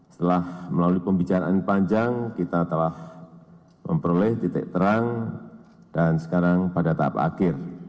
setelah melalui pembicaraan panjang kita telah memperoleh titik terang dan sekarang pada tahap akhir